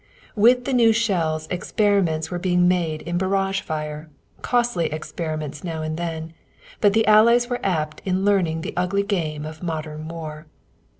With the new shells experiments were being made in barrage fire costly experiments now and then; but the Allies were apt in learning the ugly game of modern war.